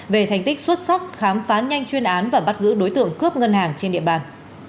về thành tích xuất sắc khám phá nhanh chuyên án và bắt giữ đối tượng cướp ngân hàng trên địa bàn